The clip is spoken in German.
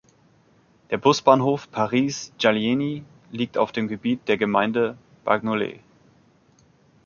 Der Busbahnhof Paris-Gallieni liegt auf dem Gebiet der Gemeinde Bagnolet.